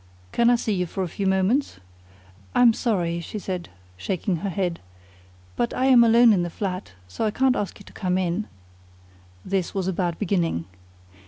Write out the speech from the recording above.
"Can I see you for a few moments?" "I'm sorry," she said, shaking her head, "but I am alone in the flat, so I can't ask you to come in." This was a bad beginning.